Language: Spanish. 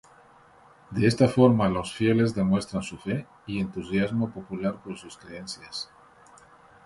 De esta forma los fieles demuestran su fe y entusiasmo popular por sus creencias.